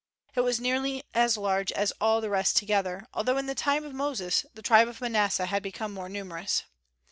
It was nearly as large as all the rest together, although in the time of Moses the tribe of Manasseh had become more numerous.